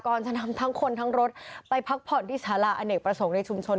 จะนำทั้งคนทั้งรถไปพักผ่อนที่สาระอเนกประสงค์ในชุมชน